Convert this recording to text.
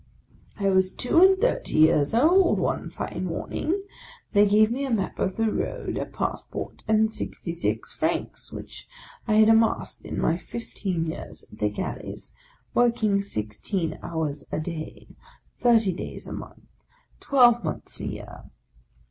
" I was two and thirty years old ; one fine morning they gave me a map of the road, a passport, and sixty six francs, which I had amassed in my fifteen years at the Galleys, work ing sixteen hours a day, thirty days a month, twelve months a year.